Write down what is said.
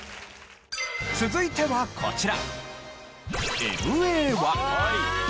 続いてはこちら。